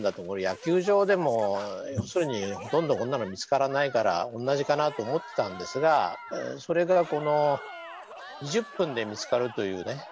これ野球場でもほとんどこんなの見つからないから同じかなと思ってたんですがそれが２０分で見つかるというね。